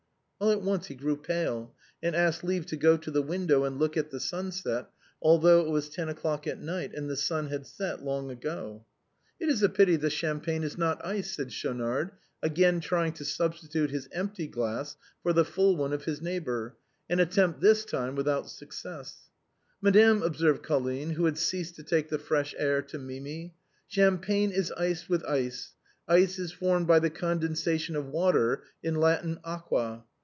All at once he grew pale, and asked leave to go to the window and look at the sunset, although it was ten o'clock at night, and the sun had set long ago. " It is a pity the Champagne is not iced," said Schau nard, again trying to substitute his empty glass for the full one of his neighbor, an attempt this time without success. " Madame," observed Colline, who had ceased to take the fresh air, to Mimi, " Champagne is iced with ice. Ice is formed by the condensation of water, in Latin aqua.